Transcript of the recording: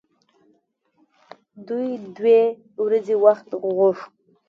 دوی دوې ورځې وخت وغوښت.